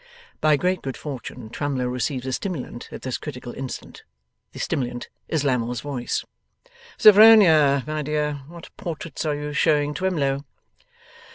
By great good fortune Twemlow receives a stimulant at this critical instant. The stimulant is Lammle's voice. 'Sophronia, my dear, what portraits are you showing Twemlow?